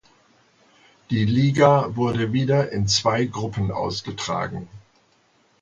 Die Liga wurde wieder in zwei Gruppen ausgetragen.